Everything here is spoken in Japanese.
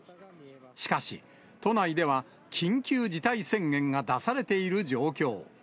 しかし、都内では緊急事態宣言が出されている状況。